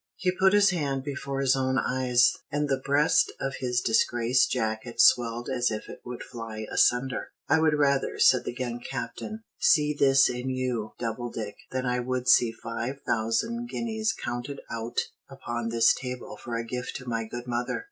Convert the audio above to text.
He put his hand before his own eyes, and the breast of his disgrace jacket swelled as if it would fly asunder. "I would rather," said the young Captain, "see this in you, Doubledick, than I would see five thousand guineas counted out upon this table for a gift to my good mother.